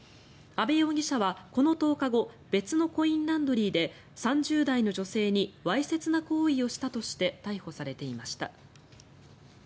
阿部容疑者はこの１０日後別のコインランドリーで３０代の女性にわいせつな行為をしたとして逮捕されていました。